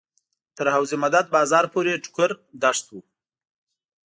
تر حوض مدد بازار پورې ټوکر دښت و.